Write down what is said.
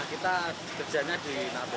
kita kerjanya di